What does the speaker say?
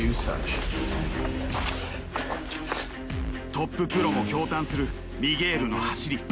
トッププロも驚嘆するミゲールの走り。